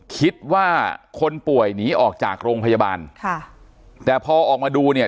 คิดว่าคนป่วยหนีออกจากโรงพยาบาลค่ะแต่พอออกมาดูเนี่ย